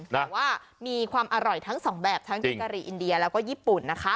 แต่ว่ามีความอร่อยทั้งสองแบบทั้งจิกะหรี่อินเดียแล้วก็ญี่ปุ่นนะคะ